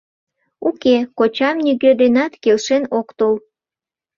Уке, кочам нигӧ денат келшен ок тол.